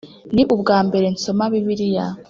ni ubwambere nsoma bibiliya.